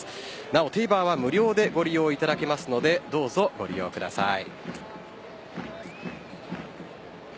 なお、ＴＶｅｒは無料でご利用いただけますのでどうぞ、ご利用ください。